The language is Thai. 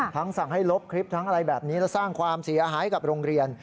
สั่งให้ลบคลิปทั้งอะไรแบบนี้และสร้างความเสียหายกับโรงเรียน